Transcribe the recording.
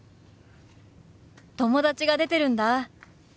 友達が出てるんだ。